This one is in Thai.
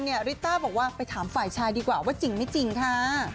ริต้าบอกว่าไปถามฝ่ายชายดีกว่าว่าจริงไม่จริงค่ะ